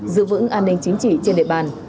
giữ vững an ninh chính trị trên đề bàn